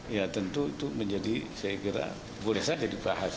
ya tentu itu menjadi saya kira boleh saja dibahas